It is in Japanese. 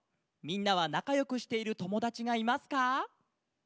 みんなはなかよくしているともだちがいますか？